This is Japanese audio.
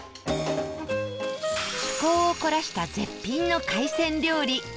趣向を凝らした絶品の海鮮料理